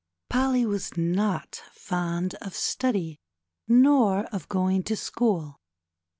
Polly was not fond of study nor of going to school.